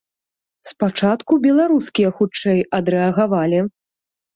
Спачатку беларускія хутчэй адрэагавалі.